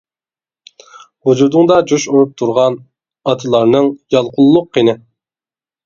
ۋۇجۇدۇڭدا جۇش ئۇرۇپ تۇرغان، ئاتىلارنىڭ يالقۇنلۇق قېنى.